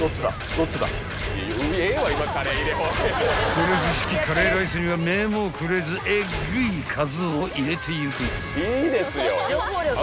［セルフ式カレーライスには目もくれずえっぐい数を入れていく］